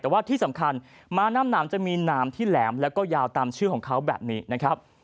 แต่ว่าที่สำคัญม้าน้ำหนามจะมีหนามที่แหลมแล้วก็ยาวตามชื่อของเขาแบบนี้นะครับ